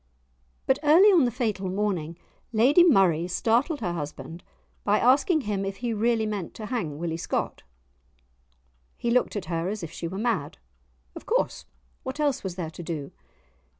But early on the fatal morning, Lady Murray startled her husband by asking him if he really meant to hang Willie Scott. He looked at her as if she were mad; of course, what else was there to do?